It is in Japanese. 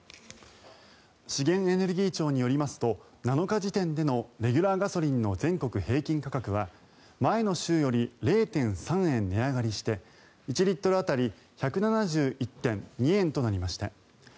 資源エネルギー庁によりますと７日時点でのレギュラーガソリンの全国平均価格は前の週より０．３円値上がりして１リットル当たり１７１．２円となりました。